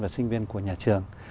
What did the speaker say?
và sinh viên của nhà trường